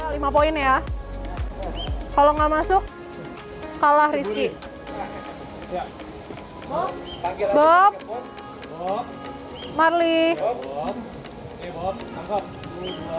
tempat ini terbagi menjadi beberapa area seperti area burung perairan makau dan kakatua home built family dan area menarik lainnya